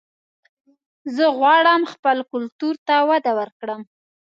زه غواړم خپل کلتور ته وده ورکړم